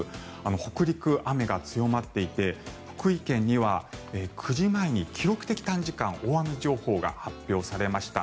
北陸、雨が強まっていて福井県には９時前に記録的短時間大雨情報が発表されました。